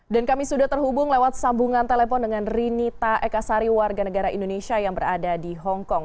dan kami sudah terhubung lewat sambungan telepon dengan rinita ekasari warga negara indonesia yang berada di hongkong